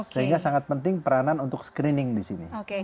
sehingga sangat penting peranan untuk screening disini